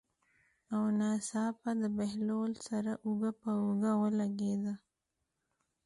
او ناڅاپه د بهلول سره اوږه په اوږه ولګېده.